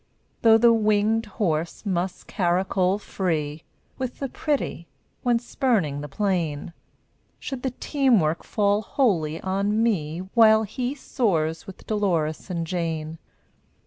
Though the winged horse must caracole free With the pretty, when "spurning the plain," Should the team work fall wholly on me While he soars with Dolores and Jane?